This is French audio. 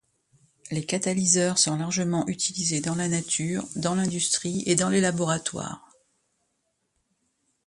Les catalyseur sont largement utilisés dans la nature, dans l'industrie et dans les laboratoires.